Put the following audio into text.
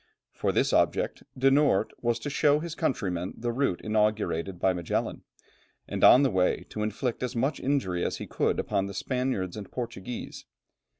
For this object, De Noort was to show his countrymen the route inaugurated by Magellan, and on the way to inflict as much injury as he could upon the Spaniards and Portuguese.